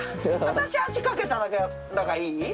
私足かけただけだからいい？